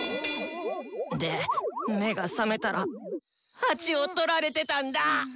で目が覚めたら鉢をとられてたんだ。